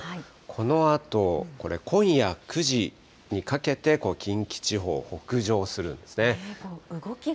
このあと、これ、今夜９時にかけて近畿地方を北上するんですね。